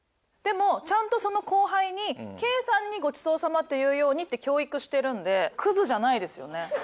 でもちゃんとその後輩に「ケイさんにごちそうさまと言うように」って教育してるんでくずじゃないですよね。